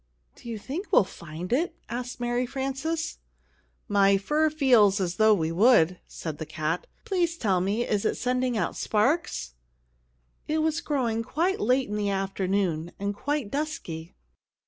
"Do you think we'll find it?" asked Mary Frances. "My fur feels as though we would," said the cat. "Please tell me, is it sending out sparks?" It was growing quite late in the afternoon, and quite dusky.